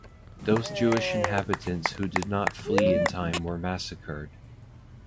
Those Jewish inhabitants who did not flee in time were massacred.